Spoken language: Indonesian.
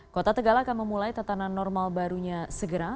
kota tegal akan memulai tatanan normal barunya segera